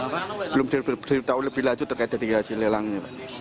belum diberitahu lebih lanjut terkait dari hasil lelang ini pak